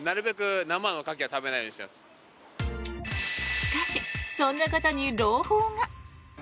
しかし、そんな方に朗報が。